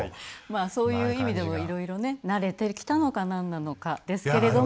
そういう意味でもいろいろね慣れてきたのかなんなのかですけれども。